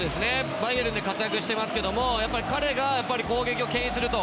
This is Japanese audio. バイエルンで活躍していますが彼が攻撃を牽引します。